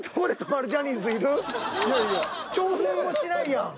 挑戦もしないやん。